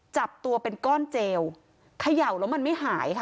จับตัวเป็นก้อนเจลเขย่าแล้วมันไม่หายค่ะ